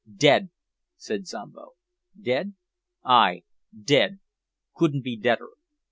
"Dead!" said Zombo. "Dead?" "Ay, dead, couldn't be deader."